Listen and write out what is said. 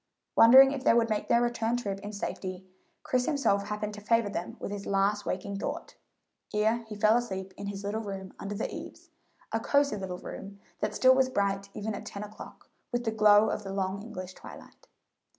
Wondering if they would make their return trip in safety, Chris himself happened to favor them with his last waking thought, ere he fell asleep in his little room under the eaves a cosey little room that still was bright even at ten o'clock with the glow of the long English twilight.